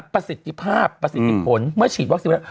ประสิทธิภาพประสิทธิผลเมื่อฉีดวัคซีนแล้ว